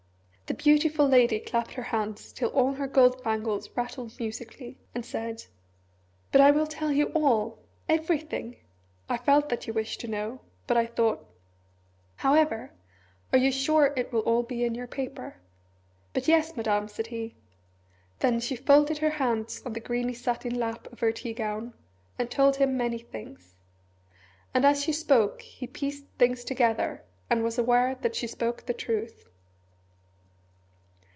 The beautiful lady clapped her hands till all her gold bangles rattled musically, and said "But I will tell you all everything! I felt that you wished to know but I thought ... however ... are you sure it will all be in your paper?" "But yes, Madame!" said he. Then she folded her hands on the greeny satin lap of her tea gown, and told him many things. And as she spoke he pieced things together, and was aware that she spoke the truth.